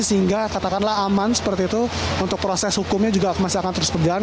sehingga katakanlah aman seperti itu untuk proses hukumnya juga masih akan terus berjalan